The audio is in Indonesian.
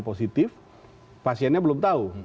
positif pasiennya belum tahu